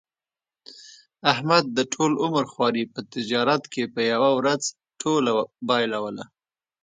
احمد د ټول عمر خواري په تجارت کې په یوه ورځ ټوله بایلوله.